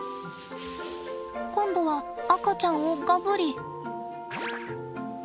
今度は赤ちゃんをガブリ。